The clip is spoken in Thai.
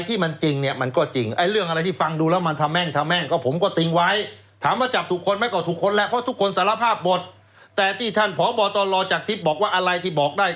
ทะเลอทะละอืมมีได้เป็นไปมั้ยเป็นไปมั้ยมีได้